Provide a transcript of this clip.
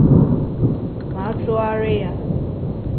ma a tụgharị ya